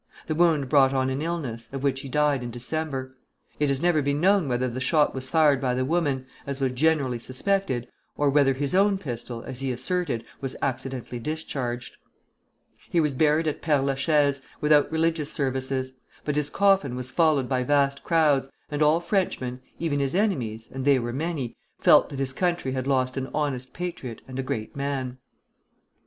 The wound brought on an illness, of which he died in December. It has never been known whether the shot was fired by the woman, as was generally suspected, or whether his own pistol, as he asserted, was accidentally discharged. He was buried at Père la Chaise, without religious services; but his coffin was followed by vast crowds, and all Frenchmen (even his enemies, and they were many) felt that his country had lost an honest patriot and a great man.